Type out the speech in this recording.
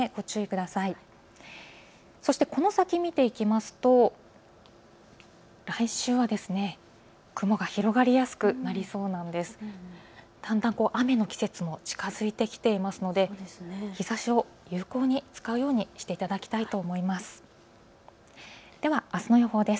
だんだん雨の季節も近づいてきていますので日ざしを有効に使うようにしていただきたいと思います。